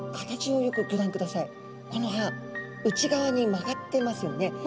この歯内側に曲がってますよね。